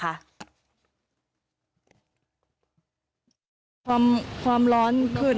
ความร้อนเกิน